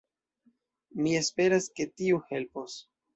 Mi esperas ke tiu helpos.